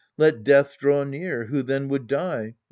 Let death draw near who then would die?